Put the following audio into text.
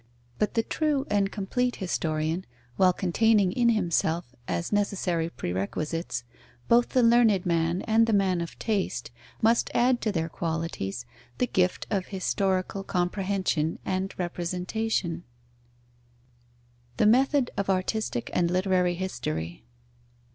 But the true and complete historian, while containing in himself, as necessary pre requisites, both the learned man and the man of taste, must add to their qualities the gift of historical comprehension and representation. _The method of artistic and literary history.